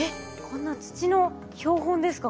こんな土の標本ですか？